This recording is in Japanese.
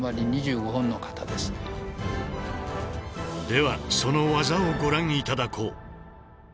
ではその技をご覧頂こう。